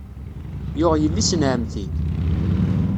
Yuɣ yelli-s n ɛemmti.